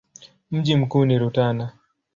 Mji mkuu ni Rutana.